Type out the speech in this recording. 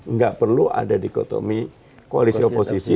nggak perlu ada dikotomi koalisi oposisi